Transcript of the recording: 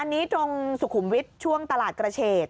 อันนี้ตรงสุขุมวิทย์ช่วงตลาดกระเฉด